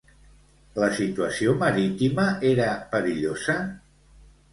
La situació marítima era perillosa?